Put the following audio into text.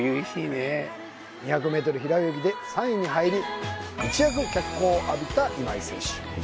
２００メートル平泳ぎで３位に入り一躍脚光を浴びた今井選手